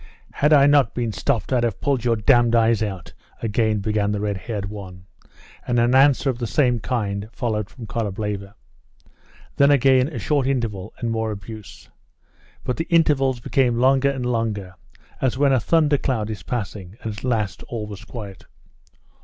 "Had I not been stopped I'd have pulled your damned eyes out," again began the red haired one, and an answer of the same kind followed from Korableva. Then again a short interval and more abuse. But the intervals became longer and longer, as when a thunder cloud is passing, and at last all was quiet.